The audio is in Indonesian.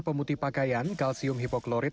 pemutih pakaian kalsium hipoklorid